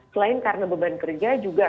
selain karena beban kerja juga